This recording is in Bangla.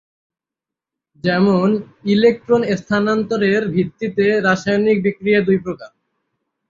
যেমন, ইলেক্ট্রন স্থানান্তরের ভিত্তিতে রাসায়নিক বিক্রিয়া দুই প্রকার।